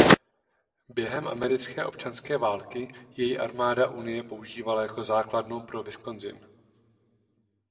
Během Americké občanské války jej armáda Unie používala jako základnu pro Wisconsin.